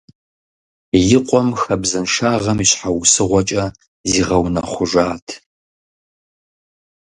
И къуэм хабзэншагъэм и щхьэусыгъуэкӏэ зигъэунэхъужат.